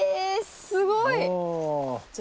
すごい。お。